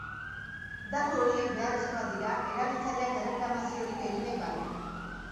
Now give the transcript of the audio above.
Datu horiek beharrezkoak dira erabiltzaileak erreklamaziorik egin nahi badu.